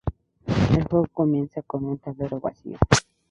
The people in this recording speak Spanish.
El juego comienza con un tablero vacío.